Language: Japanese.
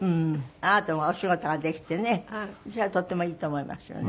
あなたもお仕事ができてねそれはとってもいいと思いますよね